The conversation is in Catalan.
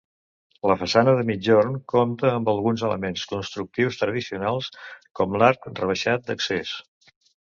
La façana de migjorn compta amb alguns elements constructius tradicionals, com l'arc rebaixat d'accés.